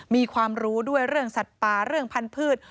มีความรู้ด้วยเรื่องสัตว์ป่าเรื่องพันธุ์